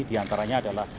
di antaranya adalah